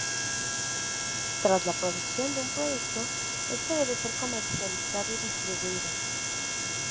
Tras la producción de un producto, este debe ser comercializado y distribuido.